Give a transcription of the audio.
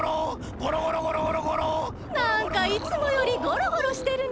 なんかいつもよりゴロゴロしてるね！